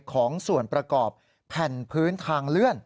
ของส่วนประกอบแผ่นพื้นทางเลื่อน